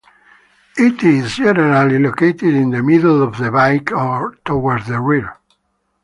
It is generally located in the middle of the bike or towards the rear.